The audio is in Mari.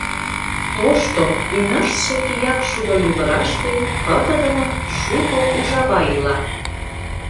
Тошто, ӱмашсе кияк шудо лювыраште пытыдымын шуко ужава ила...